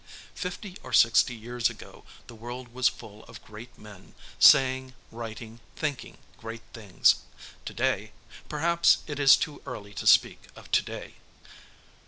Fifty or sixty years ago the world was full of great men, saying, writing, thinking, great things. To day perhaps it is too early to speak of to day.